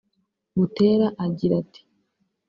Butera agira ati